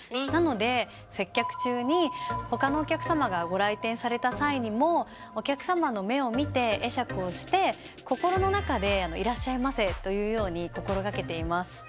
なので接客中に他のお客様がご来店された際にもお客様の目を見て会釈をして心の中で「いらっしゃいませ」と言うように心がけています。